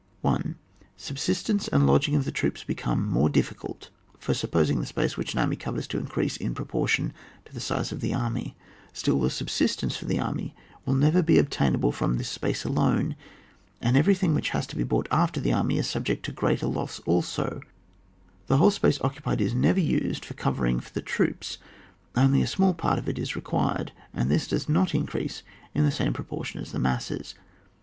1. Subsistence and lodging of the troops become more difficult — for, sup posing the space which an army coverft to increase in proportion to the size of the army, still the subsistence for the army will never be obtainable from this space alone, and everything which has to be brought after an army is subject to greater loss also ; the whole space occupied is never used for covering for the troops, only a small part of it is re quired, and this does not increase in the same proportion as the masses.